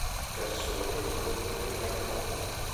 Persone di cognome Yamamoto